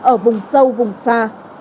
ở vùng sâu vùng xa